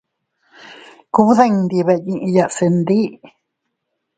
Kugbi dindi beʼeyiya se ndi.